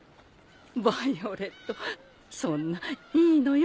ヴァイオレットそんないいのよ